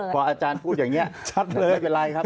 พออาจารย์พูดอย่างนี้ชัดเลยไม่เป็นไรครับ